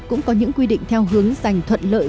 cũng có những quy định theo hướng dành thuận lợi